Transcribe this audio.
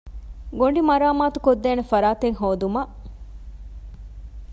ގޮނޑި މަރާމާތުކޮށްދޭނެ ފަރާތެއް ހޯދުމަށް